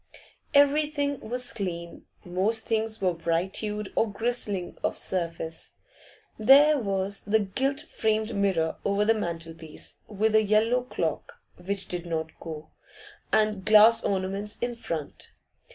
Everything was clean; most things were bright hued or glistening of surface. There was the gilt framed mirror over the mantelpiece, with a yellow clock which did not go and glass ornaments in front.